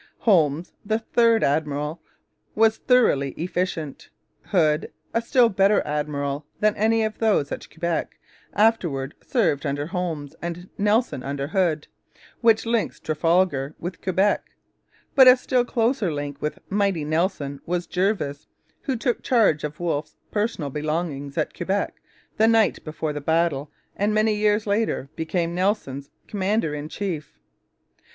Holmes, the third admiral, was thoroughly efficient. Hood, a still better admiral than any of those at Quebec, afterwards served under Holmes, and Nelson under Hood; which links Trafalgar with Quebec. But a still closer link with 'mighty Nelson' was Jervis, who took charge of Wolfe's personal belongings at Quebec the night before the battle and many years later became Nelson's commander in chief.